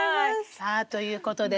さあということでね